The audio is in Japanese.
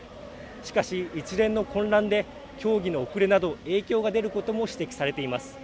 しかし一連の混乱で協議の遅れなど影響が出ることも指摘されています。